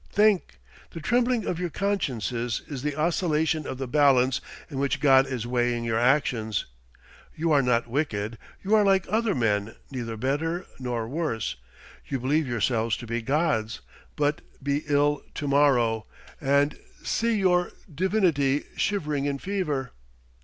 Think. The trembling of your consciences is the oscillation of the balance in which God is weighing your actions. You are not wicked; you are like other men, neither better nor worse. You believe yourselves to be gods; but be ill to morrow, and see your divinity shivering in fever!